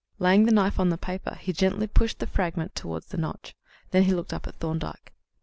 Laying the knife on the paper, he gently pushed the fragment towards the notch. Then he looked up at Thorndyke.